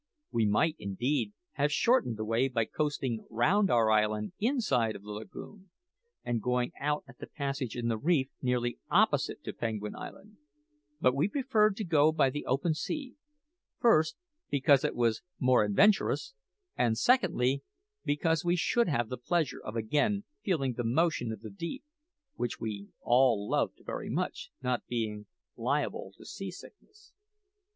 We might, indeed, have shortened the way by coasting round our island inside of the lagoon, and going out at the passage in the reef nearly opposite to Penguin Island; but we preferred to go by the open sea first, because it was more adventurous, and secondly, because we should have the pleasure of again feeling the motion of the deep, which we all loved very much, not being liable to sea sickness.